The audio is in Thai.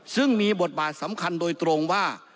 ซึ่งมีบทบาทสำคัญโดยตรงว่า